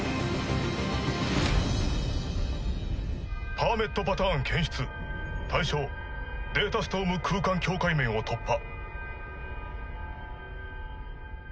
パーメットパターン検出。対象データストーム空間境界面を突破。